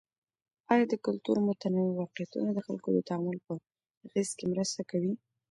آیا د کلتور متنوع واقعيتونه د خلګو د تعامل په اغیز کي مرسته کوي؟